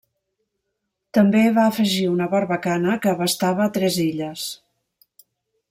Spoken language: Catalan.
També va afegir una barbacana que abastava tres illes.